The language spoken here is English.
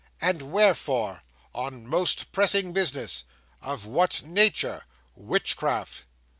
'And wherefore?' 'On most pressing business.' 'Of what nature?' 'Witchcraft.